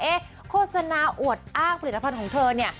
โฆษณาอวดอ้างผลิตภัณฑ์ของเธอเนี่ย